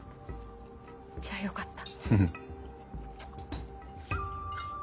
じゃあよかった。